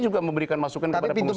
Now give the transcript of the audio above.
juga memberikan masukan kepada pengusaha